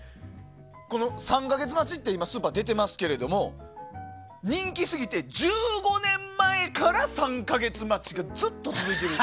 ３か月待ちってスーパーが出てますけど人気過ぎて１５年前から３か月待ちがずっと続いている。